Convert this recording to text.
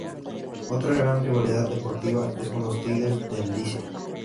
Otra gran rivalidad deportiva es con los Tigres del Licey.